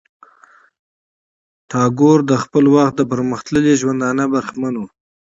ټاګور د خپل وخت د پرمختللی ژوندانه برخمن وو.